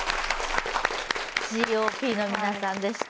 Ｇ．Ｏ．Ｐの皆さんでした